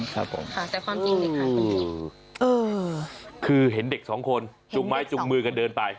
ครับผมเออคือเห็นเด็กสองคนจุงไม้จุงมือกันเดินไป